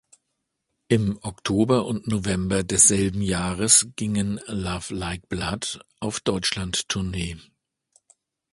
Im Oktober und November desselben Jahres gingen Love Like Blood auf Deutschland-Tournee.